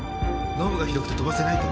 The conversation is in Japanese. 濃霧がひどくて飛ばせないと。